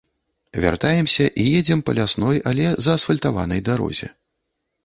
Вяртаемся і едзем па лясной, але заасфальтаванай дарозе.